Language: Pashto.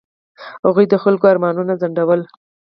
هغوی د خلکو ارمانونه ځنډول.